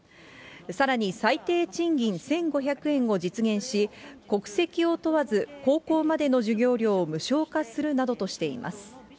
さらに最低賃金１５００円を実現し、国籍を問わず、高校までの授業料を無償化するなどとしています。